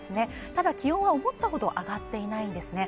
ただ気温は思ったほど上がっていないんですね